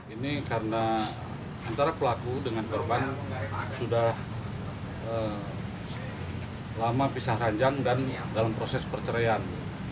ini karena antara pelaku dengan korban sudah lama pisah ranjang dan dalam proses perceraian